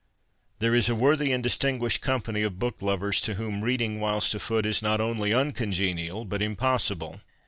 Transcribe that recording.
There is a worthy and distinguished company of book lovers to whom reading whilst afoot is not only uncongenial but impossible.